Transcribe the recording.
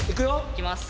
いきます。